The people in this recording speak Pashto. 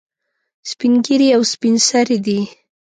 سپین ږیري او سپین سرې دي.